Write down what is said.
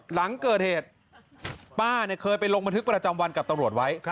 หลังเกิดเหตุป้าเคยไปลงบันทึกประจำวันกับตำรวจไว้